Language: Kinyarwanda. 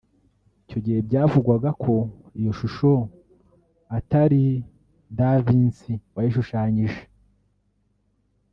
Icyo gihe byavugwaga ko iyo shusho atari da Vinci wayishushanyije